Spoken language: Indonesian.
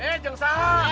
eh jangan salah